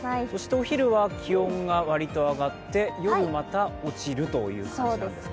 お昼は気温が割と上がって、夜また落ちるという感じなんですね。